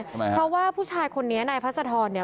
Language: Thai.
เพราะว่าผู้ชายคนนี้ในภรรยาศิษฐธรรม